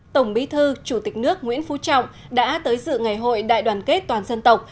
tổng bí thư chủ tịch nước nguyễn phú trọng đã tới dự ngày hội đại đoàn kết toàn dân tộc